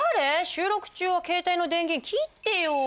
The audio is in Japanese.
収録中は携帯の電源切ってよ。